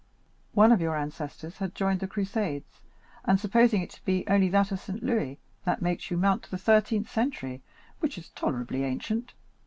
One of your ancestors had joined the Crusades, and supposing it to be only that of St. Louis, that makes you mount to the thirteenth century, which is tolerably ancient."